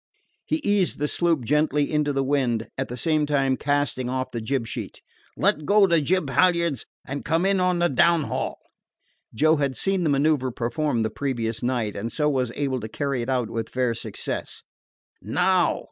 He eased the sloop gently into the wind, at the same time casting off the jib sheet. "Let go the jib halyards and come in on the downhaul!" Joe had seen the manoeuver performed the previous night, and so was able to carry it out with fair success. "Now!